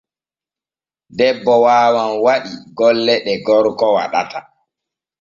Debbo waawan waɗi golle ɗ e gorgo waɗata.